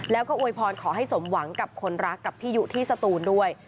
แล้วก็อวยพรขอให้สมหวังกับคนรักกับพี่ยุที่สตูนด้วย